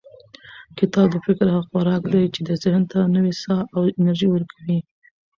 کتاب د فکر هغه خوراک دی چې ذهن ته نوې ساه او انرژي ورکوي.